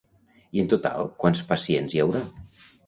I en total quants pacients hi haurà?